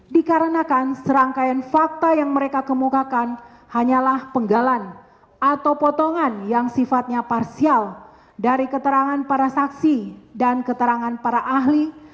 dikarenakan serangkaian fakta yang mereka kemukakan hanyalah penggalan atau potongan yang sifatnya parsial dari keterangan para saksi dan keterangan para ahli